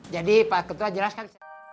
jadi pak ketua jelaskan